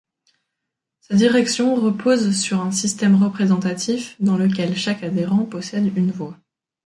Sa direction repose sur un système représentatif dans lequel chaque adhérent possède une voix.